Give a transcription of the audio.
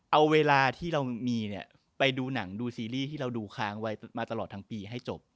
เอาเวลาที่เรามีเนี่ยไปดูหนังดูซีรีส์ที่เราดูค้างไว้มาตลอดทั้งปีให้จบ